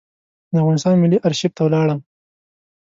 د افغانستان ملي آرشیف ته ولاړم.